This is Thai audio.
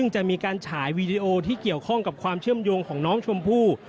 จะมีการฉายวีดีโอที่เกี่ยวข้องกับความเชื่อมโยงของน้องชมพู่